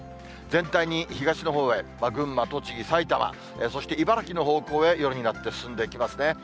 全体に東のほうへ、群馬、栃木、埼玉、そして茨城の方向へ夜になって進んでいきますね。